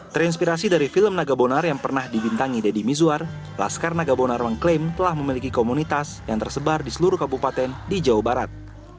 terinspirasi dari film nagabonar yang pernah dibintangi deddy mizwar laskar nagabonar mengklaim telah memiliki komunitas yang tersebar di seluruh kabupaten di jawa barat